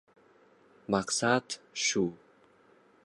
Maqsad - shu.